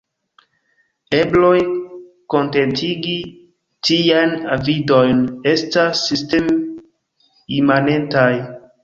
Ebloj kontentigi tiajn avidojn estas sistem-imanentaj.